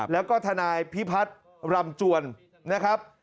แล้วก็ทนายพิพัฒน์รำจวนนะครับ